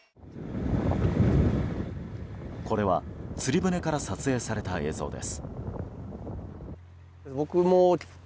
これは釣り船から撮影された映像です。